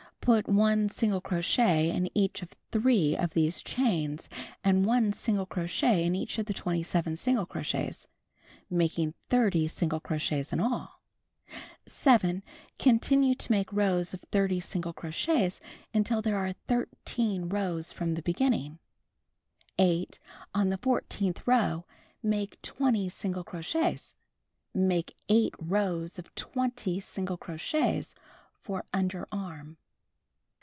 Put 1 single crochet in each of 3 of these chains, and 1 single crochet in each of the 27 single crochets, making 30 single crochets in all. 7. Contiiuie to make rows of 30 single crochets until there are 13 rows from the beginning. 8. On the fourteenth row, make 20 single crochets. Make 8 rows of 20 single crochets for under arm.